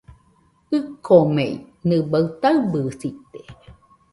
ɨkomei, nɨbaɨ taɨbɨsite.